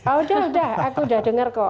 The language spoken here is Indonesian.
oh udah udah aku udah dengar kok